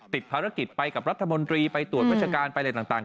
ติดภารกิจไปกับรัฐมนตรีไปตรวจราชการไปอะไรต่าง